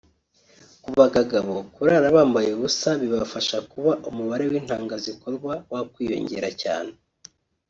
Ku bagagabo kurara bambaye ubusa bibafasha kuba umubare w’intanga zikorwa wakwiyongera cyane